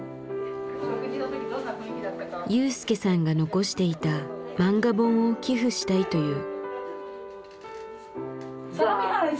雄介さんが残していたマンガ本を寄付したいという。